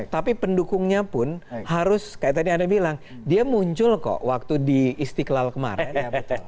tapi pendukungnya pun harus kayak tadi anda bilang dia muncul kok waktu di istiqlal kemarin